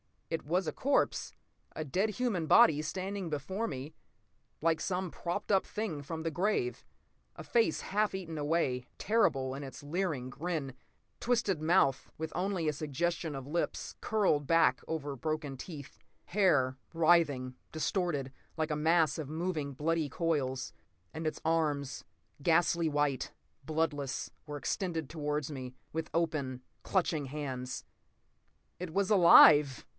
It was a corpse, a dead human body, standing before me like some propped up thing from the grave. A face half eaten away, terrible in its leering grin. Twisted mouth, with only a suggestion of lips, curled back over broken teeth. Hair—writhing, distorted—like a mass of moving, bloody coils. And its arms, ghastly white, bloodless, were extended toward me, with open, clutching hands. It was alive!